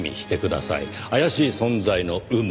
怪しい存在の有無。